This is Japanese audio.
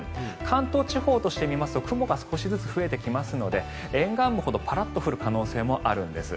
関東地方としてみますと雲が少しずつ増えてきますので沿岸部ほどパラッと降る可能性もあるんです。